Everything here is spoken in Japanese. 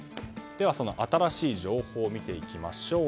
ではその新しい情報を見ていきましょう。